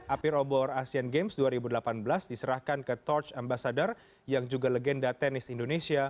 api robor asian games dua ribu delapan belas diserahkan ke torch ambassador yang juga legenda tenis indonesia